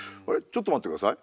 ちょっと待って下さい。